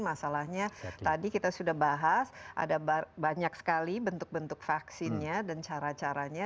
masalahnya tadi kita sudah bahas ada banyak sekali bentuk bentuk vaksinnya dan cara caranya